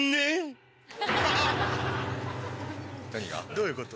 どういうこと？